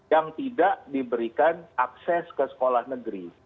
yang tidak diberikan akses ke sekolah negeri